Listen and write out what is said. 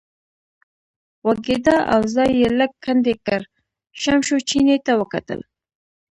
غوږېده او ځای یې لږ کندې کړ، شمشو چیني ته وکتل.